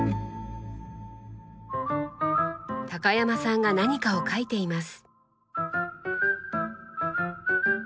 高山さんが何かを書いています。